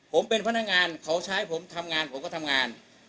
ผมเป็นพนักงานเขาใช้ผมทำงานผมก็ทำงาน